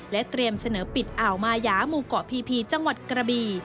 เตรียมเสนอปิดอ่าวมายาหมู่เกาะพีพีจังหวัดกระบี